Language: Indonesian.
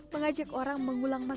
mengajak orang mengulangkan karya